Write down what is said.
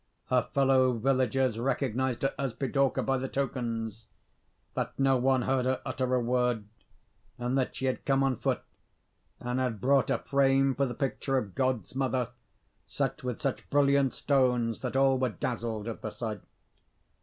Her fellow villagers recognised her as Pidorka by the tokens that no one heard her utter a word; and that she had come on foot, and had brought a frame for the picture of God's mother, set with such brilliant stones that all were dazzled at the sight.